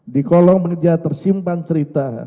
di kolong meja tersimpan cerita